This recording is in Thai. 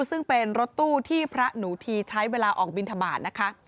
ซึ่งเป็นรถตู้ที่พระหนูทีใช้เวลาออกบินทบาทนะคะ